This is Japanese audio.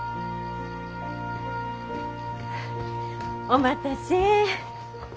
お待たせ。